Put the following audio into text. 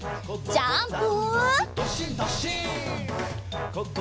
ジャンプ！